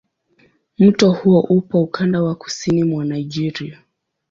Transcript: Mto huo upo ukanda wa kusini mwa Nigeria.